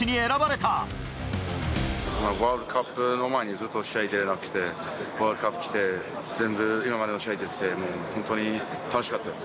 ワールドカップの前に、ずっと試合出られなくて、ワールドカップきて、全部、今までの試合出てて、本当に楽しかった。